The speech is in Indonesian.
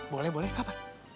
boleh boleh kak pak